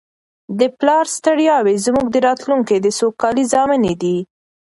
د پلار ستړیاوې زموږ د راتلونکي د سوکالۍ ضامنې دي.